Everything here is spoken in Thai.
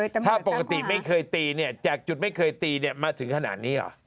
ถ้าปกติไม่เคยตีจากจุดไม่เคยตีมาถึงขนาดนี้หรอ